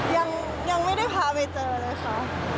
ยังไม่ได้พาไปเจอเลยค่ะ